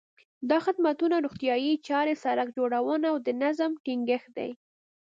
دا خدمتونه روغتیايي چارې، سړک جوړونه او د نظم ټینګښت دي.